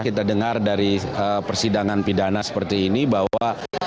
kita dengar dari persidangan pidana seperti ini bahwa